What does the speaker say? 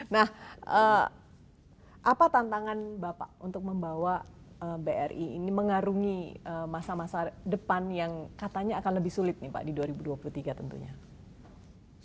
nah apa tantangan bapak untuk membawa bri ini mengarungi masa masa depan yang katanya akan lebih sulit nih pak di dua ribu dua puluh tiga tentunya